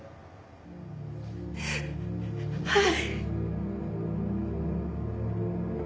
はい。